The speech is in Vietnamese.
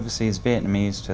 để nghe lời truyền thông